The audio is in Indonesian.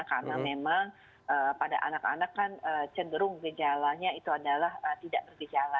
karena memang pada anak anak kan cenderung gejalanya itu adalah tidak bergejala